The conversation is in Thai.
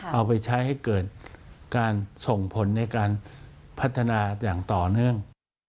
เอาไปใช้ให้เกิดการส่งผลในการพัฒนาอย่างต่อเนื่อง